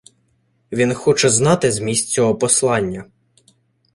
Він хоче знати зміст цього послання.